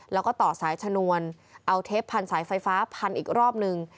แล้วก็ต่อสายชนวนเอาเทปพันสายไฟฟ้าพันอีกรอบนึง